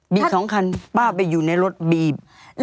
มี๒คันป้าไปอยู่ในรถบีบ